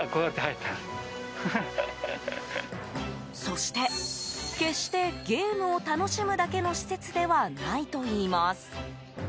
そして決してゲームを楽しむだけの施設ではないといいます。